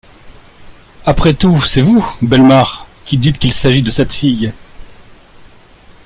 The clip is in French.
Après tout, c'est vous, Bellemare, qui dites qu'il s'agit de cette fille.